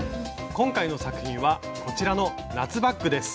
今回の作品はこちらの夏バッグです。